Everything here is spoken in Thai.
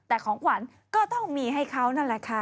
แต่ของขวัญก็ต้องมีให้เขานั่นแหละค่ะ